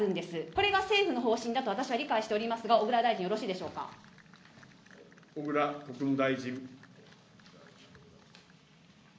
これが政府の方針だと私は理解しておりますが、小倉大臣、よろし小倉国務大臣。